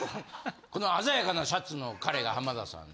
この鮮やかなシャツの彼が浜田さん。